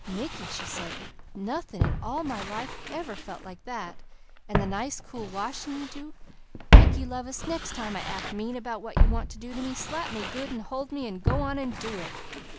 "Mickey," she said, "nothin" in all my life ever felt like that, an' the nice cool washin' you do. Mickey lovest, nex' time I act mean 'bout what you want to do to me, slap me good, an' hold me, an' go on an' do it!"